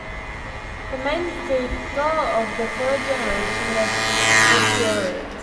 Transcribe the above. The main figure of the third generation was Nestorius.